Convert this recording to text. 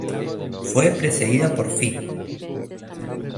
Fue precedida por "Fl.